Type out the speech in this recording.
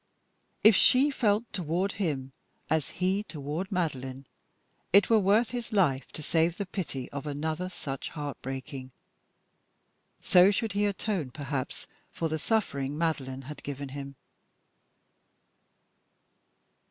If she felt toward him as he toward Madeline, it were worth his life to save the pity of another such heart breaking. So should he atone, perhaps, for the suffering Madeline had given him.